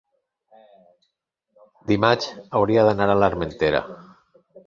dimarts hauria d'anar a l'Armentera.